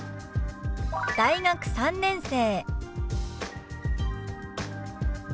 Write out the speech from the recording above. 「大学３年生」。